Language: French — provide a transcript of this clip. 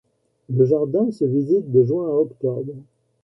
Le jardin se visite de juin à octobre.